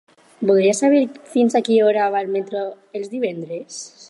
Voldria saber fins a quina hora va el metro els divendres?